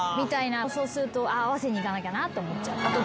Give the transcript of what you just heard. そうすると合わせにいかなきゃなと思っちゃう。